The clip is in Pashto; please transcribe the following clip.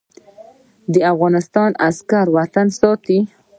د افغانستان عسکر وطن ساتي